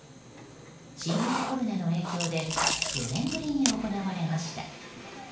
新型コロナの影響で４年ぶりに行われました。